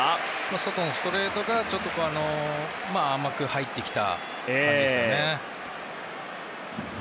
外のストレートが甘く入ってきた感じですよね。